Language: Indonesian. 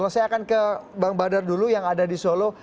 saya akan ke bang badar dulu yang ada di solo